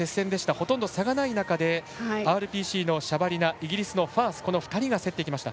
ほとんど差がない中でＲＰＣのシャバリナイギリスのファースこの２人が競っていきました。